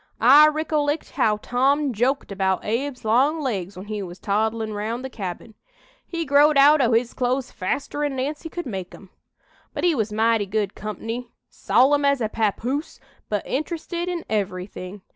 I ricollect how Tom joked about Abe's long legs when he was toddlin' round the cabin. He growed out o' his clothes faster'n Nancy could make 'em. "But he was mighty good comp'ny, solemn as a papoose, but interested in everything.